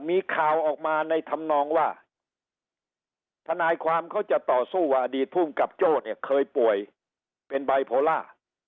มีข่าวออกมาในธรรมนองว่าทนายความเขาจะต่อสู้ว่าอดีตภูมิกับโจ้เนี่ยเคยป่วยเป็นไบโพล่า